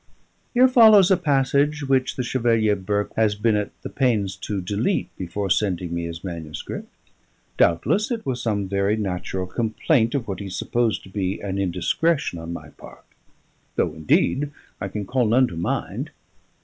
(Here follows a passage which the Chevalier Burke has been at the pains to delete before sending me his manuscript. Doubtless it was some very natural complaint of what he supposed to be an indiscretion on my part; though, indeed, I can call none to mind.